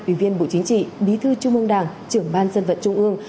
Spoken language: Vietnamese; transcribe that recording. ủy viên bộ chính trị bí thư trung mương đảng trưởng ban dân vật trung ương